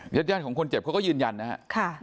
ยัดย่านของคนเจ็บเขาก็ยืนยันนะฮะ